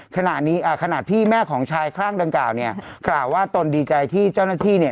ขณะที่แม่ของชายคลั่งดังกล่าวเนี่ยกล่าวว่าตนดีใจที่เจ้าหน้าที่เนี่ย